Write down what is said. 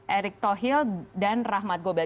erick thohir dan rahmat gobel